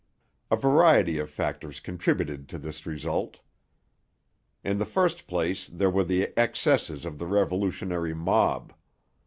A variety of factors contributed to this result. In the first place there were the excesses of the revolutionary mob.